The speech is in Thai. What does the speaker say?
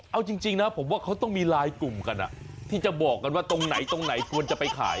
เอาจริงนะผมเขาต้องมีลายกลุ่มสามารถที่จะบอกกันว่าที่ไหนต้องกลัวไปขาย